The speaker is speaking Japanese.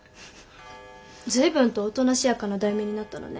随分とおとなしやかな題名になったのね。